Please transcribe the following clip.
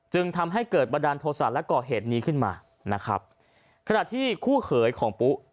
จึงทำให้เกิดบันดาลโทษะและก่อเหตุนี้ขึ้นมานะครับขณะที่คู่เขยของปุ๊